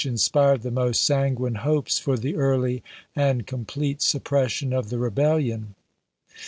inspired the most sanguine hopes for the early and complete suppression of the Rebellion.